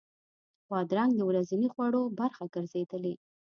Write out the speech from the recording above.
بادرنګ د ورځني خوړو برخه ګرځېدلې.